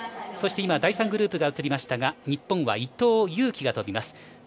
そして第３グループが映りましたが日本は伊藤有希が飛びます。